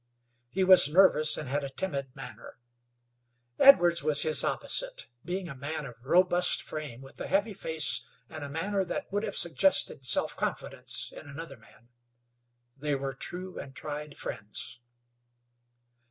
He was nervous, and had a timid manner. Edwards was his opposite, being a man of robust frame, with a heavy face, and a manner that would have suggested self confidence in another man. They were true and tried friends.